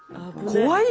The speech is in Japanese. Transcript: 怖い！